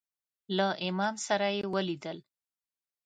له امام سره یې ولیدل.